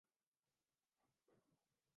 جتنا کہ ان کے اپنے اصولوں کے تحت۔